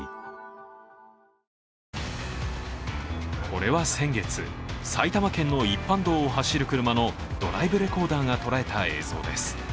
これは先月、埼玉県の一般道を走る車のドライブレコーダーが捉えた映像です。